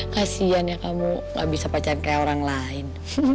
kasian ya kamu gak bisa pacaran kayak orang lain